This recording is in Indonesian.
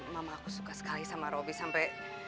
mama aku suka sekali sama roby sampai